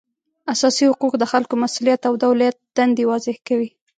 اساسي حقوق د خلکو مسولیت او د دولت دندې واضح کوي